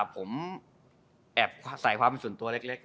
ผมแอบใส่ความเป็นส่วนตัวเล็ก